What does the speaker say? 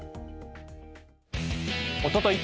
おととい